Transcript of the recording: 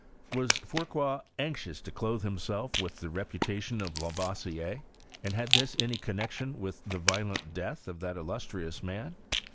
Was Fourcroy anxious to clothe himself with the reputation of Lavoisier, and had this any connexion with the violent death of that illustrious man?